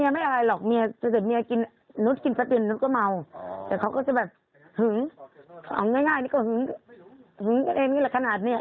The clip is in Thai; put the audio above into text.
หื้มเอ้าง่ายนี่ก็หื้มหื้มกันเองนี่แหละขนาดเนี่ย